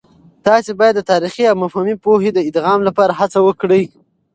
تاسې باید د تاريخي او مفهومي پوهه د ادغام لپاره هڅه وکړئ.